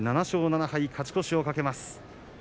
７勝７敗、勝ち越しを懸けます。